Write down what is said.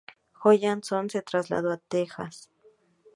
Joan Johnson se trasladó a Texas.